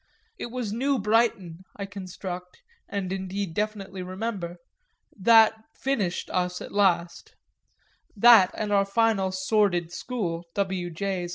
It was New Brighton, I reconstruct (and indeed definitely remember) that "finished" us at last that and our final sordid school, W. J.'